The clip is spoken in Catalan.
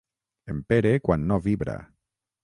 En Pere quan no vibra.